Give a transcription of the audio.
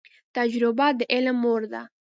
تجریبه د علم مور ده